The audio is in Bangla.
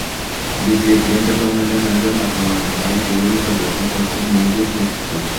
বিসিবির গেম ডেভেলপমেন্টের ম্যানেজার নাজমুল আবেদীন ফাহিম দীর্ঘদিন পর্যবেক্ষণ করেছেন মেহেদীর নেতৃত্ব।